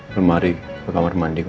lemari ke kamar mandi